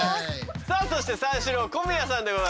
さあそして三四郎小宮さんでございます。